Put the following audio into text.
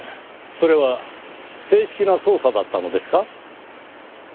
それは正式な捜査だったのですか？